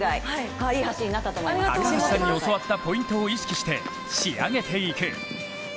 高橋さんに教わったポイントを意識して仕上げていく。